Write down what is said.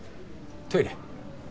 トイレ？